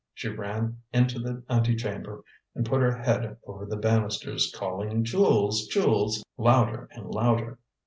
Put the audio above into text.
She ran into the antechamber, and put her head over the banisters, calling, "Jules! Jules!" louder and louder.